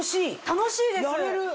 楽しいです。